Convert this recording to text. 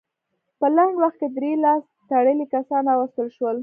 په لنډ وخت کې درې لاس تړلي کسان راوستل شول.